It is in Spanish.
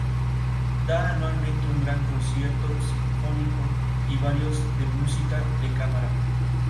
La unión colector-base está polarizada en inversa durante la operación normal.